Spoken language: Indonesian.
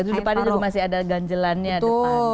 itu depannya juga masih ada ganjelannya depan